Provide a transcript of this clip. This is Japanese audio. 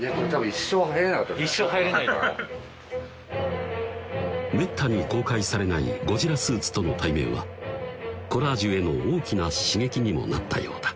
一生入れないかめったに公開されないゴジラスーツとの対面はコラージュへの大きな刺激にもなったようだ